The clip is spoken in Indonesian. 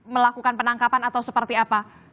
melakukan penangkapan atau seperti apa